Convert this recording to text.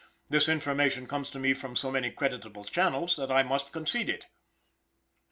This information comes to me from so many creditable channels that I must concede it.